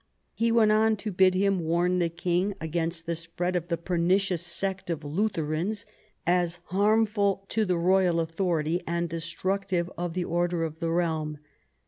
He went on to bid him warn the king against the spread of 206 THOMAS WOLSEY chap. the pernicious sect of Lutherans as harmful *to the royal authority and destructive of the order of the realm.